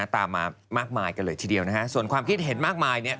ตามมามากมายกันเลยทีเดียวนะฮะส่วนความคิดเห็นมากมายเนี่ย